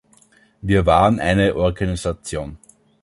Wir waren eine Organisation.